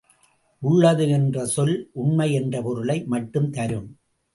உள்ளது என்ற சொல் உண்மை என்ற பொருளை மட்டும் தரும்.